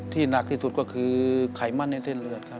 หนักที่สุดก็คือไขมั่นในเส้นเลือดครับ